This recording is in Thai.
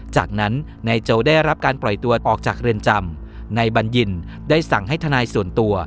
จากนั้นนายโจได้รับการปล่อยตัวออกจากเรือนจำนายบัญญินได้สั่งให้ทนายส่วนตัว